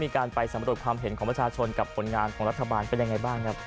การไปสำรวจความเห็นของประชาชนกับผลงานของรัฐบาลเป็นยังไงบ้างครับ